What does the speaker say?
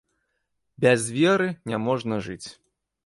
Без веры не можна жыць.